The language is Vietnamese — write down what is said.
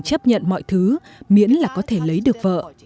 chấp nhận mọi thứ miễn là có thể lấy được vợ